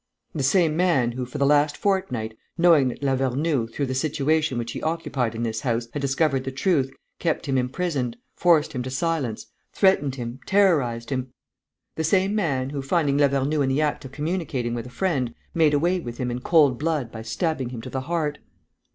"The same man who, for the last fortnight, knowing that Lavernoux, through the situation which he occupied in this house, had discovered the truth, kept him imprisoned, forced him to silence, threatened him, terrorized him; the same man who, finding Lavernoux in the act of communicating with a friend, made away with him in cold blood by stabbing him to the heart."